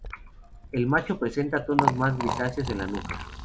El macho presenta tonos más grisáceos en la nuca.